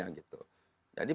orang yang sudah sudah